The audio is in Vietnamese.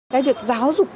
cái việc giáo dục